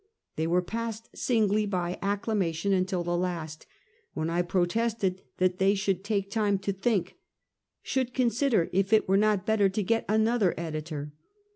They were passed singly by acclamation until the last, w^hen I protested that they should take time to think — should consider if it were not better to get another editor.